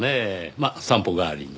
まあ散歩代わりに。